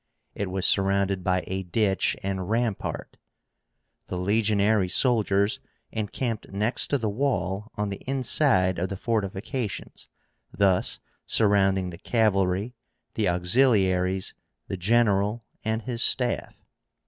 It was surrounded by a ditch and rampart. The legionary soldiers encamped next to the wall on the inside of the fortifications, thus surrounding the cavalry, the auxiliaries, the general and his staff.